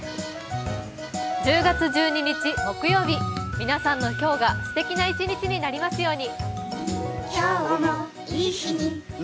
１０月１２日木曜日、皆さんの今日がすてきな一日になりますように。